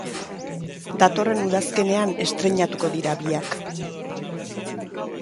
Datorren udazkenean estreinatuko dira biak.